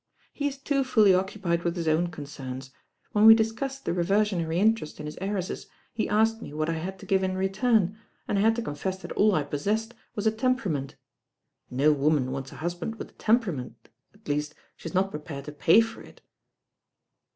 "He is too fully occupied with his own concerns. When we discussed the reversionary interest in his heiresses, he asked me what I had to give in return, and I had to confess that all I possessed was a tem perament. No woman wants a husband with a temperament, at least, she's not prepared to pay for it."